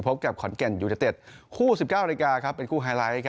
พบกับขอนแก่นอยู่เจ็ดคู่๑๙นเป็นคู่ไฮไลท์